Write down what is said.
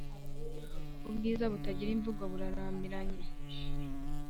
ubwiza butagira imvugo burarambiranye!